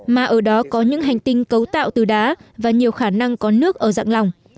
mà ở đó có những hành tinh cấu tạo từ đá và nhiều khả năng có nước ở dạng lòng